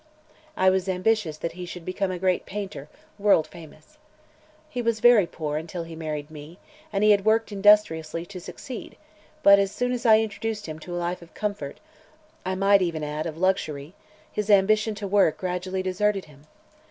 I was ambitious that he should become a great painter, world famous. He was very poor until he married me, and he had worked industriously to succeed, but as soon as I introduced him to a life of comfort I might even add, of luxury his ambition to work gradually deserted him.